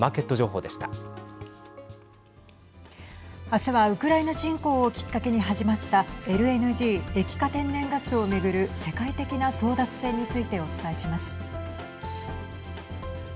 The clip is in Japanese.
明日はウクライナ侵攻をきっかけに始まったＬＮＧ＝液化天然ガスを巡る世界的な争奪戦についてお伝えします。